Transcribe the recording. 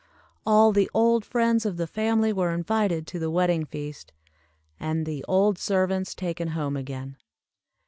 All the old friends of the family were invited to the wedding feast, and the old servants taken home again.